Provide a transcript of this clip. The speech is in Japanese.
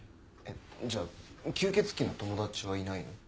じゃあ吸血鬼の友達はいないの？